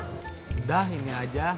udah ini aja